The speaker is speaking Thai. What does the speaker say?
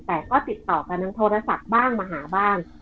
แต่ก็ติดต่อกันทางโทรศัพท์บ้างมาหาบ้าง